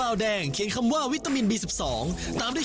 ดีใจดีใจยังไม่ได้ยังไม่ได้ยังไม่ได้